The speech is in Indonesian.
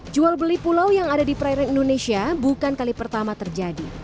jual beli pulau yang ada di perairan indonesia bukan kali pertama terjadi